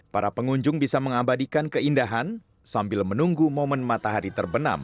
para pengunjung bisa mengabadikan keindahan sambil menunggu momen matahari terbenam